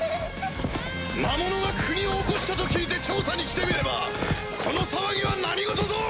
魔物が国を興したと聞いて調査に来てみればこの騒ぎは何事ぞ！